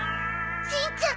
しんちゃん